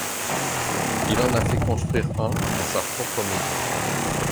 Il en a fait construire un dans sa propre maison.